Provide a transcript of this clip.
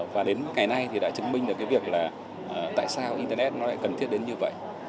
và đến ngày nay thì đã chứng minh được cái việc là tại sao internet nó lại cần thiết đến như vậy